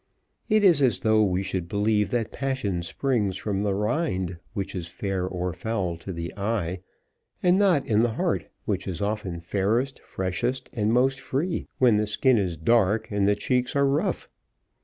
It is as though we should believe that passion springs from the rind, which is fair or foul to the eye, and not in the heart, which is often fairest, freshest, and most free, when the skin is dark and the cheeks are rough.